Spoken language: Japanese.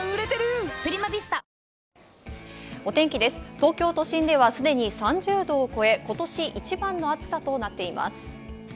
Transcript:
東京都心ではすでに３０度を超え、今年一番の暑さとなっています。